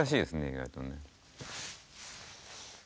意外とね。